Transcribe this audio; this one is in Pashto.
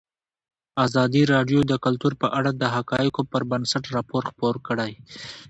ازادي راډیو د کلتور په اړه د حقایقو پر بنسټ راپور خپور کړی.